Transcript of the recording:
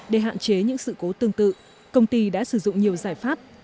để hạn chế những sự cố tương tự công ty đã sử dụng nhiều giải pháp